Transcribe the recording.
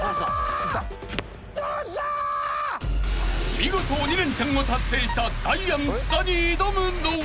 ［見事鬼レンチャンを達成したダイアン津田に挑むのは］